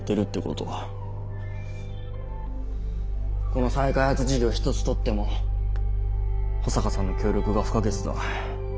この再開発事業一つとっても保坂さんの協力が不可欠だ。